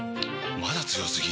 まだ強すぎ？！